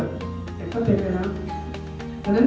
แต่ก็เป็นแล้วนะ